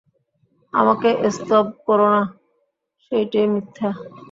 আমাকে স্তব কোরো না, সেইটেই মিথ্যা।